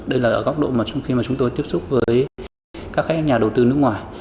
đây là ở góc độ mà chúng tôi tiếp xúc với các khách nhà đầu tư nước ngoài